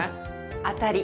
当たり。